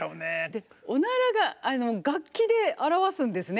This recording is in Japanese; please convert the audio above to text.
でおならが楽器で表すんですね